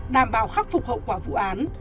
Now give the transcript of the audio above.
đảm bảo khắc phục hậu quả vụ án